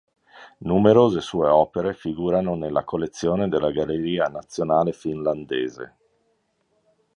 Numerose sue opere figurano nella collezione della Galleria nazionale finlandese.